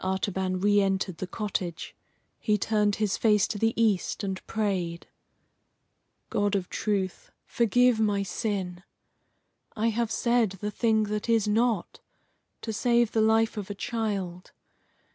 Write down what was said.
Artaban re entered the cottage. He turned his face to the east and prayed: "God of truth, forgive my sin! I have said the thing that is not, to save the life of a child.